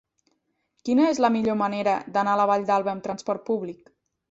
Quina és la millor manera d'anar a la Vall d'Alba amb transport públic?